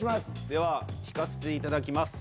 では引かせていただきます。